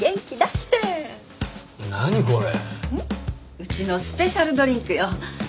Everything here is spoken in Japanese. うちのスペシャルドリンクよ。